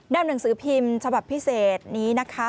หนังสือพิมพ์ฉบับพิเศษนี้นะคะ